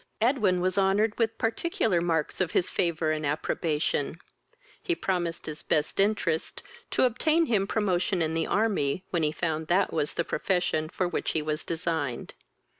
Edwin was honoured with particular marks of his favour and approbation: he promised his best interest to obtain him promotion in the army, when he found that was the profession for which he was designed.